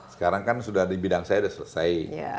sekarang kan sudah di bidang saya sudah selesai